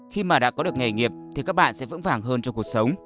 khi mà đã có được nghề nghiệp thì các bạn sẽ vững vàng hơn trong cuộc sống